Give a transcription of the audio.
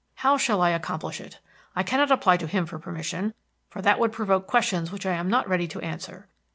How shall I accomplish it? I cannot apply to him for permission, for that would provoke questions which I am not ready to answer.